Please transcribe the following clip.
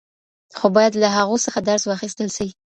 خو باید له هغو څخه درس واخیستل سي.